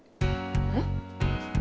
えっ？